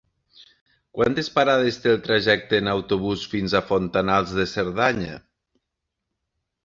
Quantes parades té el trajecte en autobús fins a Fontanals de Cerdanya?